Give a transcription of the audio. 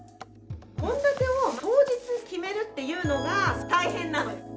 献立を当日決めるっていうのが大変なのよ。